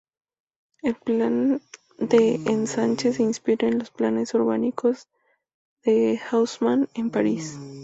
El plan de ensanche se inspira en los planes urbanísticos de Haussmann en París.